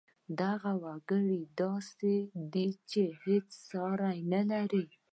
دغه وګړی داسې دی چې هېڅ ساری نه لري